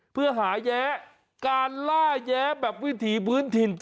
เพื่อหาแย้การล่าแย้แบบวิถีพื้นถิ่น